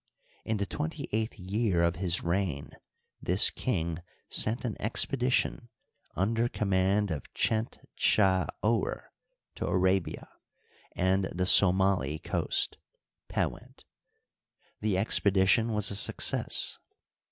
In the twenty eighth year of his reign this king sent an expedition under command of Chent chd ouer to Arabia and the Somili coast {Pewent). The expedition was a success.